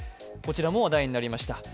こちらも話題になりました。